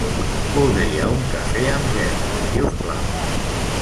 Voldria un cafè amb gel, si us plau.